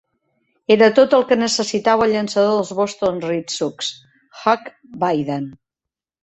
Era tot el que necessitava el llançador dels Boston Red Sox, Hugh Bedient.